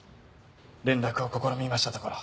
連絡を試みましたところ。